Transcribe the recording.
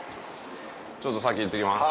ちょっと先いってきます。